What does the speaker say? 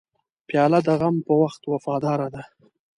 پیاله د غم په وخت وفاداره ده.